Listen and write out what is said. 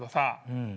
うん。